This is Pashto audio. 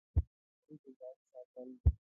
اړیکي جاري ساتل.